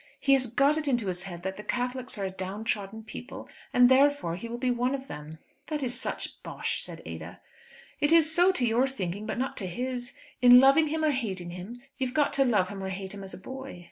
He has got it into his head that the Catholics are a downtrodden people, and therefore he will be one of them." "That is such bosh," said Ada. "It is so, to your thinking, but not to his. In loving him or hating him you've got to love him or hate him as a boy.